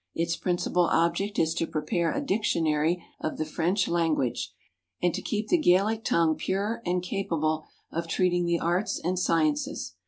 Its principal object is to prepare a dictionary of the French language and to keep the Gallic tongue pure and capable of treating the arts and sciences.